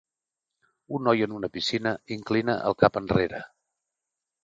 Un noi en una piscina inclina el cap enrere.